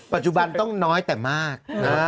ปัจจุบันต้องน้อยแต่มาก